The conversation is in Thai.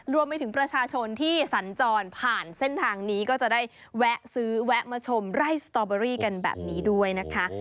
รวมไปถึงประชาชนที่สัญจรผ่านเส้นทางนี้ก็จะได้แวะซื้อแวะมาชมไร่สตอเบอรี่กันแบบนี้ด้วยนะคะ